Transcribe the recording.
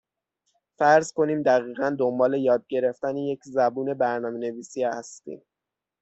فرض کنیم دقیقا دنبال یاد گرفتن یک زبون برنامه نویسی هستیم.